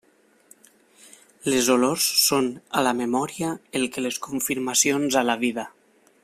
Les olors són a la memòria el que les confirmacions a la vida.